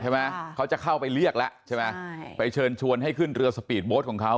เขาจะเข้าไปเรียกแล้วใช่ไหมใช่ไปเชิญชวนให้ขึ้นเรือสปีดโบสต์ของเขา